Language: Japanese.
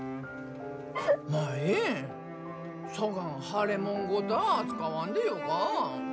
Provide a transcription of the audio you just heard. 舞、そがん腫れもんごた扱わんでよか。